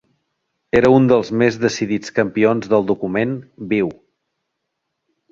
Era un dels més decidits campions del document viu